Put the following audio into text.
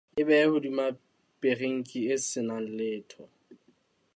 E behe hodima perinki e se nang letho.